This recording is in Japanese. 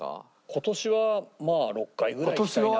今年はまあ６回ぐらい行きたいな。